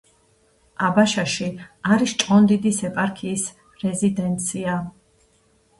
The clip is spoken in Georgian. აბაშაში არის ჭყონდიდის ეპარქიის რეზიდენცია.